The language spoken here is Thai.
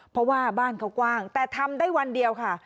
เพราะว่าบ้านเขากว้างแต่ทำได้วันเดียวค่ะ